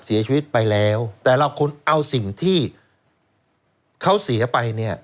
เสียชีวิตไปแล้วแต่เราควรเอาสิ่งที่เขาเสียไปเนี่ย